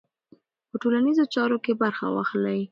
په ټولنیزو چارو کې برخه واخلئ.